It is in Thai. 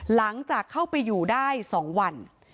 หลังจากเข้าไปอยู่ได้๒วัน